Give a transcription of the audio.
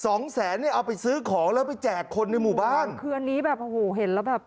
สองแสนเนี่ยเอาไปซื้อของแล้วไปแจกคนในหมู่บ้านคืออันนี้แบบโอ้โหเห็นแล้วแบบ